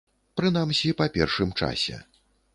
Прынамсі, па першым часе.